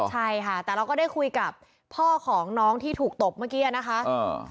ใช่ค่ะแต่เราก็ได้คุยกับพ่อของน้องที่ถูกตบเมื่อกี้อะนะคะ